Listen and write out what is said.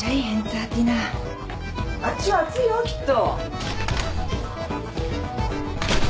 あっちは熱いよきっと。